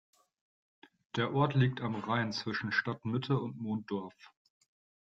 Der Ort liegt am Rhein zwischen Stadtmitte und Mondorf.